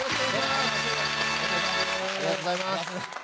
ありがとうございます。